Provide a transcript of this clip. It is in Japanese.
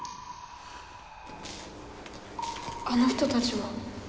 あの人たちは？